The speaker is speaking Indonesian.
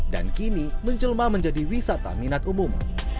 dan kini menjelma menjadi wisata minat umum